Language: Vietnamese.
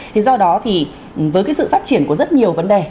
thì do đó thì với cái sự phát triển của rất nhiều vấn đề